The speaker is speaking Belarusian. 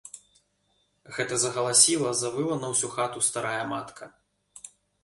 Гэта загаласіла, завыла на ўсю хату старая матка.